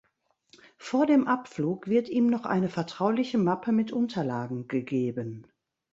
Vor dem Abflug wird ihm noch eine vertrauliche Mappe mit Unterlagen gegeben.